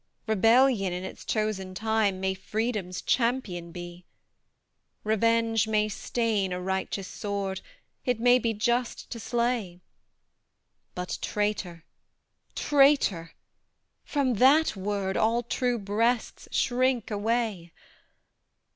Rebellion, in its chosen time, May Freedom's champion be; Revenge may stain a righteous sword, It may be just to slay; But, traitor, traitor, from THAT word All true breasts shrink away!